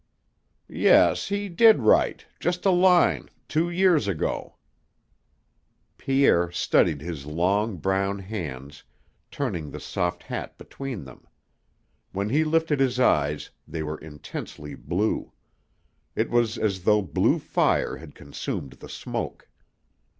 "Yes. He did write just a line two years ago." Pierre studied his own long, brown hands, turning the soft hat between them. When he lifted his eyes, they were intensely blue. It was as though blue fire had consumed the smoke.